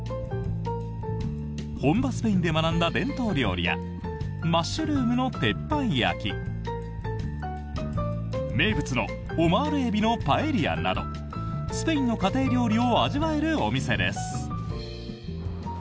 本場スペインで学んだ伝統料理やマッシュルームの鉄板焼き名物のオマールエビのパエリアなどスペインの家庭料理を味わえるお店です。